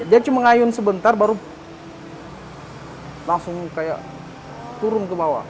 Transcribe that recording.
dia cuma ngayun sebentar baru langsung kayak turun ke bawah